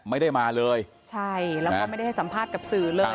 ไม่ได้มาเลยใช่แล้วก็ไม่ได้ให้สัมภาษณ์กับสื่อเลย